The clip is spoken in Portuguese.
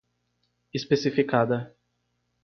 especificada